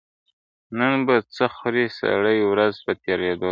نن به څه خورې سړه ورځ پر تېرېدو ده ..